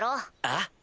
あっ。